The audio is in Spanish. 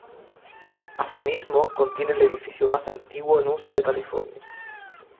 Asimismo, contiene el edificio más antiguo en uso de California.